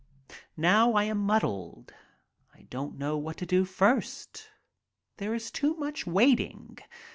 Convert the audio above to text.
Now I am muddled. I don't know what to do first. There is too much waiting.